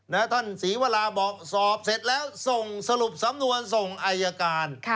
ท่านศรีวราบอกสอบเสร็จแล้วส่งสรุปสำนวนส่งอายการ